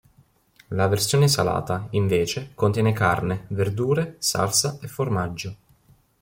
La versione salata, invece, contiene carne, verdure salsa e formaggio.